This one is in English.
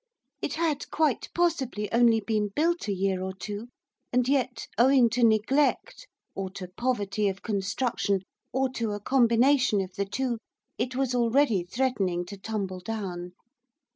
It had quite possibly only been built a year or two, and yet, owing to neglect, or to poverty of construction, or to a combination of the two, it was already threatening to tumble down.